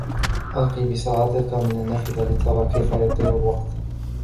ألقِ بساعتك من النافذة لترى كيف يطير الوقت.